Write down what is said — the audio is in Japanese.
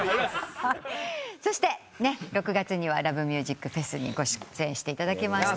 そして６月には「ＬＯＶＥＭＵＳＩＣＦＥＳ」にご出演していただきました。